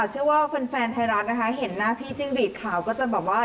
เชื่อว่าแฟนไทยรัฐนะคะเห็นหน้าพี่จิ้งหลีดข่าวก็จะแบบว่า